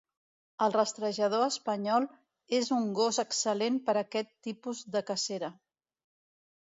El rastrejador espanyol és un gos excel·lent per a aquest tipus de cacera.